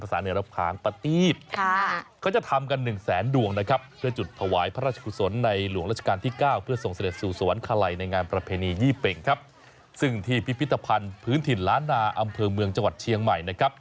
อันนี้ยี่เป่งครับซึ่งที่พิพิตภัณฑ์พื้นถิ่นล้านนาอำเภอเมืองจังหวัดเชียงใหม่นะครับ